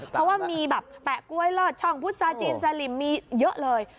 เพราะว่ามีแบบแปะกล้วยลอดช่องพุษาจีนสลิมมีเยอะเลย